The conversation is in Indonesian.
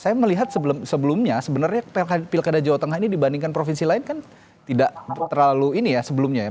saya melihat sebelumnya sebenarnya pilkada jawa tengah ini dibandingkan provinsi lain kan tidak terlalu ini ya sebelumnya ya